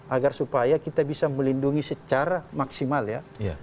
agar supaya kita bisa melindungi secara maksimal ya